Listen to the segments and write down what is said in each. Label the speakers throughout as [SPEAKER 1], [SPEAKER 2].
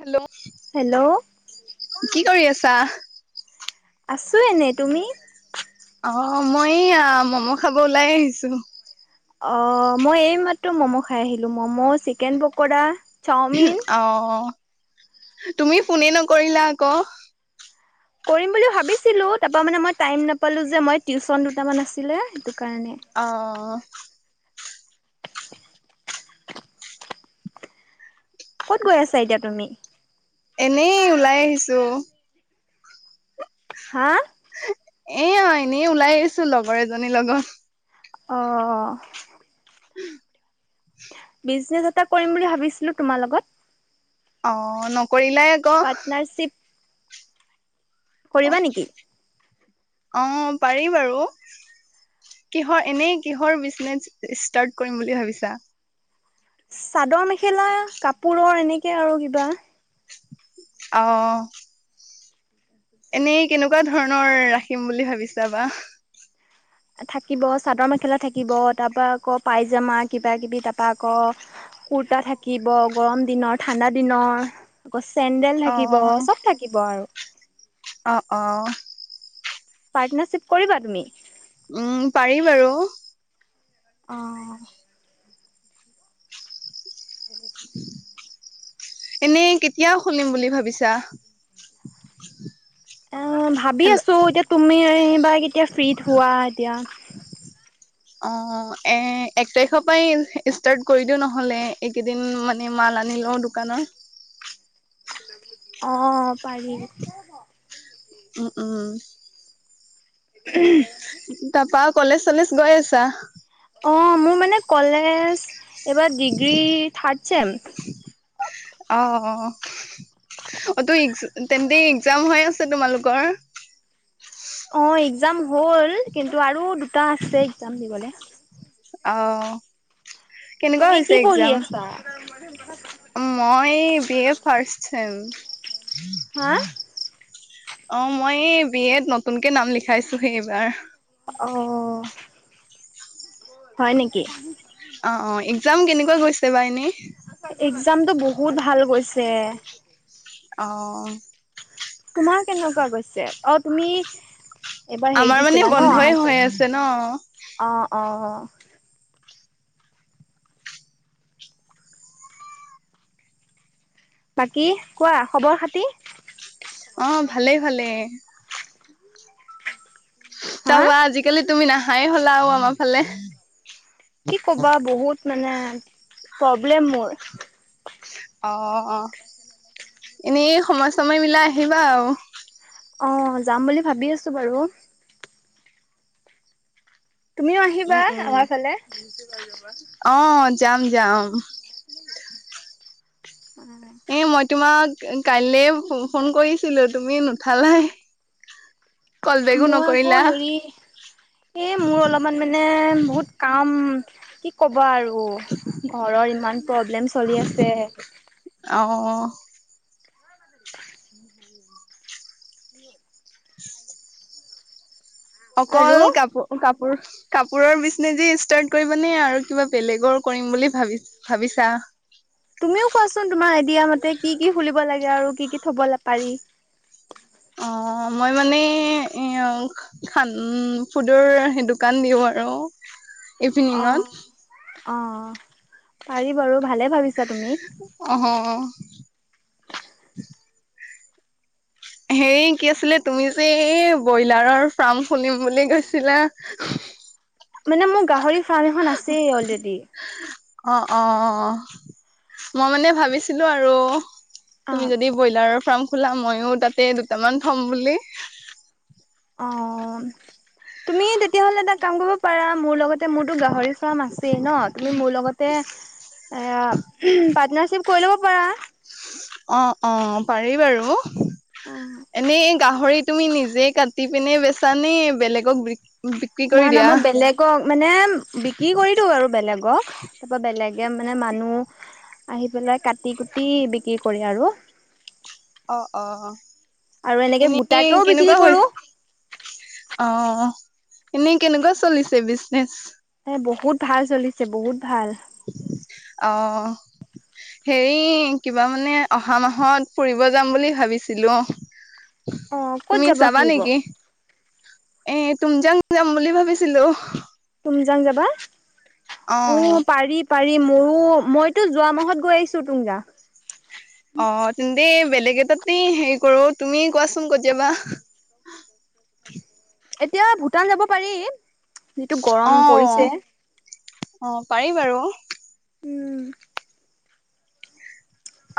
[SPEAKER 1] Hello.
[SPEAKER 2] Hello.
[SPEAKER 1] কি কৰি আছা?
[SPEAKER 2] আছোঁ এনে তুমি।
[SPEAKER 1] অ', মই ম'ম' খাব ওলাই আহিছো।
[SPEAKER 2] অ', মই এই মাত্ৰো ম'ম খাই আহিলো ম'ম চিকেন পকৰা চাওমিন
[SPEAKER 1] অ', তুমি ফোনে নকৰিলা আকৌ
[SPEAKER 2] কৰিম বুলি ভাবিছিলোঁ তাৰপৰা মানে মই টাইম নাপালোঁ যে মই টিউশচন দুটামান আছিলে সেইটো কাৰণে
[SPEAKER 1] অহ।
[SPEAKER 2] ক'ত গৈ আছা এতিয়া তুমি?
[SPEAKER 1] এনেই ওলাই আহিছোঁ।
[SPEAKER 2] হা।
[SPEAKER 1] এ অ', এনেই ওলাই আহিছো লগৰ এজনীৰ লগত।
[SPEAKER 2] অ'। বিজনেচ এটা কৰিম বুলি ভাবিছিলো তোমাৰ লগত।
[SPEAKER 1] অ', নকৰিলে
[SPEAKER 2] পাৰ্টনাৰশিপ। নেকি
[SPEAKER 1] অ', পাৰি বাৰু। কিহৰ এনেই কিহৰ বিজনেচ ষ্টাৰ্ট কৰিম বুলি ভাবিছা।
[SPEAKER 2] চাদৰ মেখেলা কাপোৰৰ এনেকে আৰু কিবা
[SPEAKER 1] অ'। এনেই কেনেকুৱা ধৰণৰ ৰাখিম বুলি ভাবিছা বা।
[SPEAKER 2] থাকিব চাদৰ মেখেলা থাকিব তাৰ পৰা আকৌ পাইজামা কিবা কিবি তাৰপা আকৌ কুুৰ্তা থাকিব গৰম দিনৰ ঠাণ্ডা দিনৰ আকৌ চেণ্ডেল থাকিব
[SPEAKER 1] অ'
[SPEAKER 2] চব থাকিব আৰু।
[SPEAKER 1] অ', অ'।
[SPEAKER 2] পাৰ্টনাৰশ্বিপ কৰিবা তুমি?
[SPEAKER 1] উম, পাৰি বাৰু।
[SPEAKER 2] অ'। [inaudible]
[SPEAKER 1] এনেই কেতিয়াও খুলিম বুলি ভাবিছা।
[SPEAKER 2] অ' ভাবি
[SPEAKER 1] হেল্ল'
[SPEAKER 2] আছো এতিয়া তুমি বা কেতিয়া ফ্ৰীত হোৱা এতিয়া।
[SPEAKER 1] অ' এ এক তাৰিখৰ পৰাই ষ্টাৰ্ট কৰি দিওঁ নহ'লে? একেইদিন মানে মাল আনি লওঁ দোকানৰ
[SPEAKER 2] অঁ।
[SPEAKER 1] উম, উম। তাৰপা কলেজ চলেজ গৈ আছা?
[SPEAKER 2] অ' মোৰ মানে কলেজ এইবাৰ ডিগ্ৰী থাৰ্ড ছেম
[SPEAKER 1] অ', অ' ত'এক তেন্তে এক্সাম হৈ আছে তোমালোকৰ?
[SPEAKER 2] অ' এক্সাম হ'ল, কিন্তু আৰু দুটা আছে এক্সাম দিবলে।
[SPEAKER 1] অ' কেনেকুৱা
[SPEAKER 2] তুমি কি
[SPEAKER 1] হৈছে
[SPEAKER 2] পঢ়ি
[SPEAKER 1] এক্সাম?
[SPEAKER 2] আছা
[SPEAKER 1] মই বি এ ৰ্ফাষ্ট চেম। হ হ
[SPEAKER 2] হা
[SPEAKER 1] [unintelligible] অ' মই এই বি এত নতুনকে নাম লিখাইছোহে এইবাৰ।
[SPEAKER 2] অ'। হয় নেকি?
[SPEAKER 1] অ', অ' একাম কেনেকুৱা গৈছে বা এনেই?
[SPEAKER 2] এক্সাম টো বহুত ভাল গৈছে।
[SPEAKER 1] অ'।
[SPEAKER 2] তোমাৰ কেনেকুৱা গৈছে? অ' তুমি এইবাৰ হেৰি
[SPEAKER 1] আমাৰ মানে
[SPEAKER 2] দিছিলা ন
[SPEAKER 1] বন্ধই
[SPEAKER 2] হাইছে
[SPEAKER 1] হৈ আছে ন
[SPEAKER 2] অ', অ', অ'। বাকী কোৱা খবৰ খাতি?
[SPEAKER 1] অ' ভালেই ভালেই।
[SPEAKER 2] হা
[SPEAKER 1] তাৰপা আজিকালি তুমি নাহাই হ'লা আৰু আমাৰ ফালে।
[SPEAKER 2] কি ক'বা বহুত মানে প্ৰব্লেম মোৰ।
[SPEAKER 1] অ', অ' এনেই সময় চময় মিলাই আহিবা আৰু।
[SPEAKER 2] অ' যাম বুলি ভাবি আছো বাৰু। তুমিও আহিবা
[SPEAKER 1] উম উম
[SPEAKER 2] আমাৰ ফালে।
[SPEAKER 1] অ' যাম যাম।
[SPEAKER 2] শুনা নাই।
[SPEAKER 1] এ মই তোমাক কাইলে ফোন কৰিছিলো তুমি নুঠালাই। কল বেকো
[SPEAKER 2] মই আকৌ
[SPEAKER 1] নকৰিলা
[SPEAKER 2] হেৰি এই মোৰ অলপমান মানে বহুত কাম, কি ক'বা আৰু। অ' ঘৰৰ ইমান প্ৰব্লেম চলি আছে
[SPEAKER 1] অ'।
[SPEAKER 2] উম [unintelligible] উ [unintelligible]
[SPEAKER 1] অকল
[SPEAKER 2] আৰু
[SPEAKER 1] কাপোৰ কাপোৰ কাপোৰৰ বিজনেচ ষ্টাৰ্ট কৰিবা নে আৰু কিবা বেলেগৰ কৰিম বুলি ভাবি ভাবিছা?
[SPEAKER 2] তুমিও কোৱাচোন তোমাৰ আইডিয়া মতে কি কি খুলিব লাগে আৰু কি কি থ'ব পাৰি?
[SPEAKER 1] অ' মই মানে খান ফুডৰ সেই দোকান দিওঁ আৰু। ইভিনিঙত
[SPEAKER 2] অ', অ' পাৰি বাৰু ভালে ভাবিছা তুমি।
[SPEAKER 1] অহ অ'। হেই কি আছিলে তুমি যে এই ব্ৰইলাৰৰ ফাৰ্ম খুলিম বুলি কৈছিলা?
[SPEAKER 2] মানে মোৰ গাহৰি ফাৰ্ম এখন আছেই অলৰেডি।
[SPEAKER 1] অ', অ', অ' মই মানে ভাবিছিলো আৰু তুমি
[SPEAKER 2] অ'
[SPEAKER 1] যদি ব্ৰইলাৰৰ ফাৰ্ম খোলা ময়ো তাতে দুটামান থ'ম বুলি
[SPEAKER 2] অ' তুমি তেতিয়াহ'লে এটা কাম কৰিব পাৰা, মোৰ লগতে মোৰতো গাহৰি ফাৰ্ম আছে তে ন তুমি মোৰ লগতে এ পাৰ্টনাৰশ্বিপ কৰি ল'ব পাৰা?
[SPEAKER 1] অ', অ' পাৰি বাৰু। এনেই গাহৰি তুমি নিজে কাটি পিনে বেচা নে বেলেগক বি বিক্ৰী কৰি
[SPEAKER 2] নহ নহ
[SPEAKER 1] দিয়া
[SPEAKER 2] মই
[SPEAKER 1] অ
[SPEAKER 2] বেলেগক মানে বিক্ৰী কৰি দিও আৰু বেলেগক তাৰপৰা বেলেগে মানে মানুহ আহি পেলাই কাটি কুটি বিক্ৰী কৰি আৰু
[SPEAKER 1] অ অ অ
[SPEAKER 2] আৰু এনেকে
[SPEAKER 1] এনেই
[SPEAKER 2] গোটাকেও বিক্ৰী
[SPEAKER 1] কেনেকুৱা হৈ
[SPEAKER 2] কৰো
[SPEAKER 1] অ এনেই কেনেকুৱা চলিছে বিজনেচ
[SPEAKER 2] এ বহুত ভাল চলিছে বহুত ভাল
[SPEAKER 1] অ হেৰি কিবা মানে অহা মাহত ফুৰিব যাম বুলি ভাবিছিলো অ
[SPEAKER 2] অ ক'ত
[SPEAKER 1] তুমি যাবা
[SPEAKER 2] ফুৰিব
[SPEAKER 1] নেকি এ তুম যাং যাম বুলি ভাবিছিলো
[SPEAKER 2] তুমজাং যাবা অ
[SPEAKER 1] অ'।
[SPEAKER 2] পাৰি পাৰি মোৰো মইতো যোৱা মাহত গৈ আহিছো তুমজা
[SPEAKER 1] অ তেন্তে বেলেগ এটাতেই হেৰি কৰো তুমি কোৱাচোন কত যাবা
[SPEAKER 2] এতিয়া ভূটান যাব পাৰি যিটো গৰম
[SPEAKER 1] অ
[SPEAKER 2] পৰিছে
[SPEAKER 1] অ পাৰি বাৰু
[SPEAKER 2] উম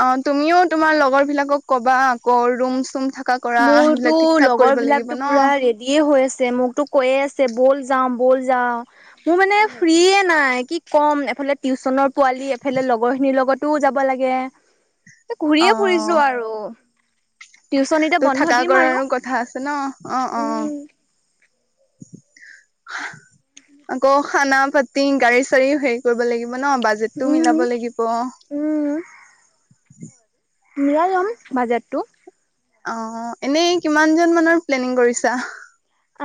[SPEAKER 1] অ তুমিও তোমাৰ লগৰ বিলাকক কবা আকৌ ৰুম চুম থাক
[SPEAKER 2] মোৰতো লগৰ বিলাকতো পুৰা ৰে দিয়ে হৈ আছে মোকতো কৈয়ে আছে বল যাও বল যাওঁ মোৰ মানে ফ্ৰি নাই কি ক'ম এফালে টিউচনৰ পোৱালি এফালে লগৰ খিনিৰ লগতোও যাব লাগে ঘূৰিয়ে
[SPEAKER 1] অ',
[SPEAKER 2] ফুৰিছো আৰু টিউচন এতিয়া
[SPEAKER 1] তোৰ
[SPEAKER 2] বন্ধ
[SPEAKER 1] থাকা
[SPEAKER 2] দিম আৰু
[SPEAKER 1] কৰাৰো কথা আছে ন অ অ
[SPEAKER 2] উম,
[SPEAKER 1] আকৌ খানা পাতি গাড়ী চাড়ী হৈ কৰিব লাগিব ন বাজেটটো
[SPEAKER 2] উম,
[SPEAKER 1] মিলাব লাগিব
[SPEAKER 2] উম মিলাই লম বাজেটটো
[SPEAKER 1] অ এনেই কিমান জন মানৰ প্লেনিং কৰিছা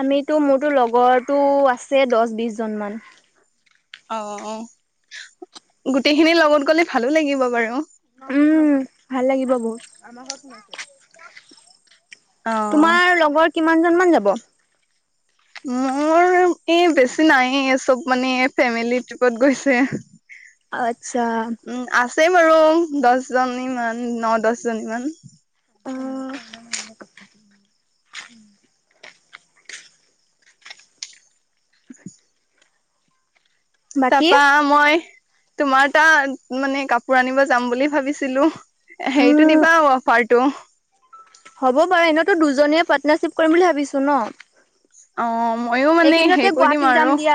[SPEAKER 2] আমিতো মোৰতো লগৰটো আছে দহ বিশ জনমান
[SPEAKER 1] অ অ গোটেইখিনি লগত গলে ভালো লাগিব বাৰু
[SPEAKER 2] উম ভাল লাগিব বহুত আমাৰ
[SPEAKER 1] অ'।
[SPEAKER 2] তোমাৰ লগৰ কিমান জন মান যাব
[SPEAKER 1] মোৰ এ বেছি নাই চব মানে ফেমেলি ট্ৰিপত গৈছে
[SPEAKER 2] আচ্ছা,
[SPEAKER 1] উম আছেই বাৰু দহজনীমান ন দহ জনী মান
[SPEAKER 2] উ বাকী
[SPEAKER 1] তাপা মই তোমাৰ তাত মানে কাপোৰ আনিব যাম বুলি ভাবিছিলো হেৰিতটো
[SPEAKER 2] উম,
[SPEAKER 1] দিবা আৰু অফাৰটো
[SPEAKER 2] হ'ব বাৰু এনেইতো দুজনীয়ে পাৰ্টনাৰশ্বিপ কৰিম বুলি ভাবিছো ন
[SPEAKER 1] অ ময়ো মানে
[SPEAKER 2] এইকেইদিনতে
[SPEAKER 1] হেৰি কৰি দিম
[SPEAKER 2] গুৱাহাটীত
[SPEAKER 1] আৰু
[SPEAKER 2] যাম দিয়া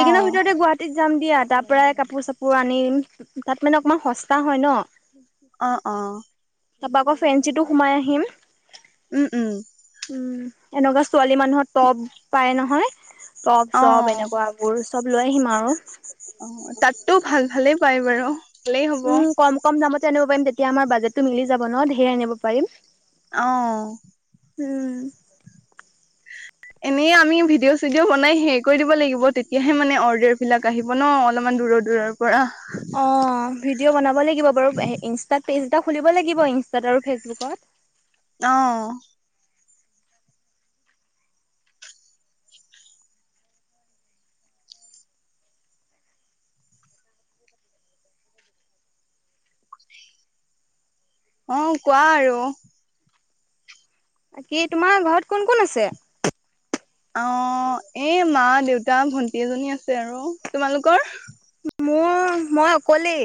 [SPEAKER 2] এইদিনৰ ভিতৰতে গুৱাহাটী ৰাাটত যাম দিয়া তাৰ পৰাই কাপোৰ চাপোৰ আনিম তাত মানে অকণমান সস্তা হয় ন
[SPEAKER 1] অ অ
[SPEAKER 2] তাপা আকৌ ফেঞ্চিটো সোমাই আহিম
[SPEAKER 1] উম উম
[SPEAKER 2] উম এনেকুৱা ছোৱালী মানুহৰ টপ পায় নহয় টপ চপ
[SPEAKER 1] অ',
[SPEAKER 2] এনেকুৱা মোৰ চব লৈ আহিম আৰু
[SPEAKER 1] অ তাতটো ভাল ভালেই পাই বাৰু ভালেই হ'ব
[SPEAKER 2] উ কম কম দামতে আনিব পাৰিম তেতিয়া আমাৰ বাজেটো মিলি যাব ন ধেৰ আনিব পাৰিম
[SPEAKER 1] অ
[SPEAKER 2] উম [inaudible]
[SPEAKER 1] এনেই আমি ভিডিঅ' চিডিঅ' বনাই হেৰি কৰি দিব লাগিব তেতিয়াহে মানে অৰ্ডাৰ বিলাক আহিব ন অলপমান দূৰৰ দূৰৰ পৰা
[SPEAKER 2] অঁ ভিডিঅ' বনাব লাগিব বাৰু ইনষ্টাত পেজ এটা খুলিব লাগিব ইনষ্টাত আৰু ফেচবুকত
[SPEAKER 1] অ অ কোৱা আৰু
[SPEAKER 2] ব কিী তোমাৰ ঘৰত কোন কোন আছে
[SPEAKER 1] অ এই মা দেউতা ভন্টি এজনী আছে আৰু তোমালোকৰ
[SPEAKER 2] মোৰ মই অকলেই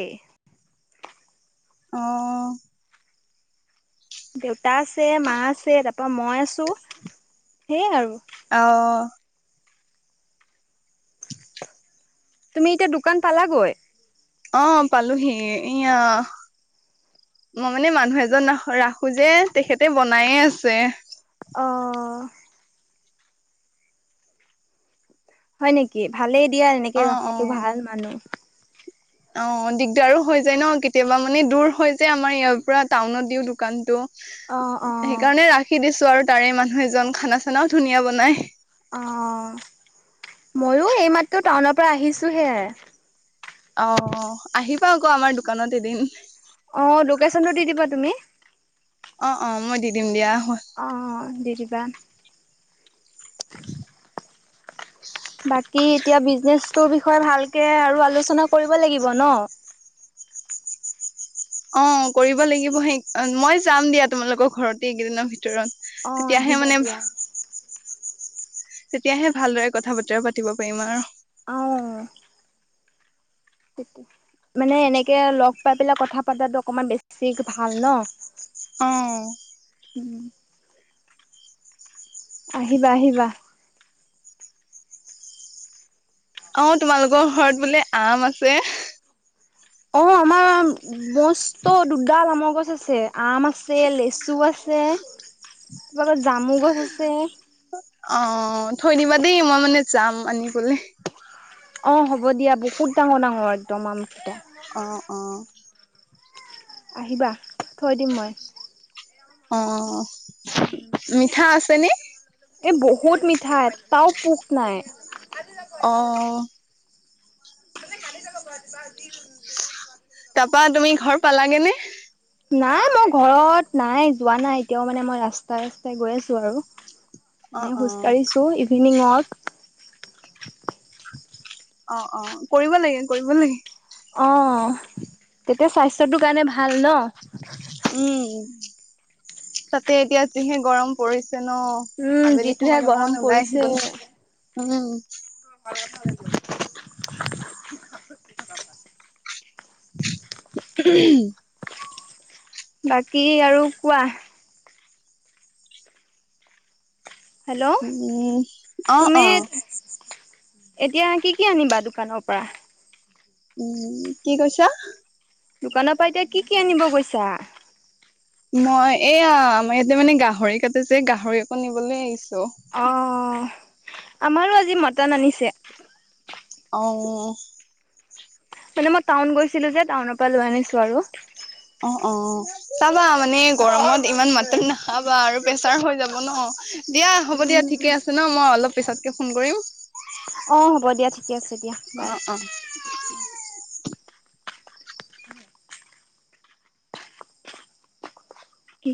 [SPEAKER 1] অ
[SPEAKER 2] দেউতা আছে মা আছে তাৰ পৰা মই আছো সেয়াই আৰু
[SPEAKER 1] অ
[SPEAKER 2] তুমি এতিয়া দোকান পালাগৈ
[SPEAKER 1] অ পালোহি এয়া মই মানে মানুহ এজন ৰাখো যে তেখেতে বনায়ে আছে
[SPEAKER 2] অ হয় নেকি ভালেই দিয়া এনেকে
[SPEAKER 1] অ অ
[SPEAKER 2] ৰখাতো ভাল মানুহ
[SPEAKER 1] অ দিগদাৰো হৈ যায় ন কেতিয়াবা মানে দূৰ হৈ যায় আমাৰ ইয়াৰ পৰা টাউনত দিও
[SPEAKER 2] অ
[SPEAKER 1] দোকানতটো
[SPEAKER 2] অ
[SPEAKER 1] সেইকাৰণে ৰাখি দিছো আৰু তাৰে মানুহ এজন খানা চানাও ধুনীয়া বনাই
[SPEAKER 2] অ মইো এইমাত্ৰ টাউনৰ পৰা আহিছোহে
[SPEAKER 1] অ আহিব পা আকৌ আমাৰ দোকানত এদিন
[SPEAKER 2] অ লোকেশ্যনটো দি দিবা তুমি
[SPEAKER 1] অ অ মই দি দিম দিয়া
[SPEAKER 2] অ দেৰি বা বাকী এতিয়া বিজনেচৰ বিষয়ে ভালকে আৰু আলোচনা কৰিব লাগিব ন
[SPEAKER 1] অ কৰিব লাগিব সেই মই যাম দিয়া তোমালোকৰ ঘৰতে এইকেইদিনৰ ভিতৰত
[SPEAKER 2] অ
[SPEAKER 1] তেতিয়াহে
[SPEAKER 2] আহিবা
[SPEAKER 1] মানে
[SPEAKER 2] দিয়া।
[SPEAKER 1] তেতিয়াহে ভালদৰে কথা বতৰা পাতিব পাৰিম আৰু
[SPEAKER 2] অঁ মানে এনেকে লগ পাই পেলাই কথা পতাটো অকমান বেছি ভাল ন
[SPEAKER 1] অ
[SPEAKER 2] উম আহিবা আহিবা
[SPEAKER 1] অ তোমালোকৰ ঘৰত বোলে আম আছে
[SPEAKER 2] অ আমাৰ মস্ত দুডাল আমৰ গছ আছে আম আছে লেচু আছে তত জামু গছ আছে
[SPEAKER 1] অ থৈনিবা দেই মই মানে যাম আনিবলৈ
[SPEAKER 2] অ হ'ব দিয়া বহুত ডাঙৰ ডাঙৰ একদম আমকেইটা
[SPEAKER 1] অ অ
[SPEAKER 2] আহিবা থৈ দিম মই
[SPEAKER 1] অ মিঠা আছে নি
[SPEAKER 2] এই বহুত মিঠা এটাও পোক নাই
[SPEAKER 1] অঁ
[SPEAKER 2] আই কালি চাগ ব চ
[SPEAKER 1] তাৰাপা তুমি ঘৰ পালাগে নে
[SPEAKER 2] নাই মই ঘৰত নাই যোৱা নাই এতিয়াও মানে মই ৰাস্তাই ৰাস্তাই গৈ আছো আৰু
[SPEAKER 1] অ
[SPEAKER 2] মানে
[SPEAKER 1] অ
[SPEAKER 2] খোজ কঢ়ছো ইভিনিং ৱাক
[SPEAKER 1] অ অ কৰিব লাগে কৰিব লাগে।
[SPEAKER 2] অ তেতিয়া স্বাস্থ্যটোৰ কাৰণে ভাল নহ।
[SPEAKER 1] উম তাতে এতিয়া যিহে গৰম পৰিছে নহ।
[SPEAKER 2] উম
[SPEAKER 1] আবেলি
[SPEAKER 2] যিটোহে
[SPEAKER 1] সময়ত
[SPEAKER 2] গৰম
[SPEAKER 1] অকমান ওলাই
[SPEAKER 2] পৰিছে
[SPEAKER 1] আহিবলৈ উম।
[SPEAKER 2] [unintelligible] [unintelligible]
[SPEAKER 1] [unintelligible]
[SPEAKER 2] বাকী আৰু কোৱা। হেল্ল'
[SPEAKER 1] উম অ
[SPEAKER 2] তুমি।
[SPEAKER 1] অ
[SPEAKER 2] এতিয়া কি, কি আনিবা দোকানৰ পৰা।
[SPEAKER 1] উম কি কৈছা।
[SPEAKER 2] দোকানৰ পৰা এতিয়া কি, কি আনিব গৈছা।
[SPEAKER 1] মই এয়া আমাৰ ইয়াতে মানে গাহৰি কাটে যে গাহৰি অকন নিবলৈ আহিছোঁ।
[SPEAKER 2] অ আমাৰো আজি মটন আনিছে।
[SPEAKER 1] অ।
[SPEAKER 2] মানে মই টাউন গৈছিলোঁ যে টাউনৰ পৰা লৈ আনিছো আৰু।
[SPEAKER 1] অ, অ চাবা মানে গৰমত ইমান মাটন নাখাবা আৰু। প্ৰেছাৰ হৈ যাব নহ দিয়া হ'ব দিয়া
[SPEAKER 2] উম
[SPEAKER 1] ঠিকে আছে নহ মই অলপ পিছতকে ফোন কৰিম।
[SPEAKER 2] অ হ'ব দিয়া ঠিকে আছে দিয়া
[SPEAKER 1] অ
[SPEAKER 2] বাই।
[SPEAKER 1] [unintelligible]
[SPEAKER 2] কি।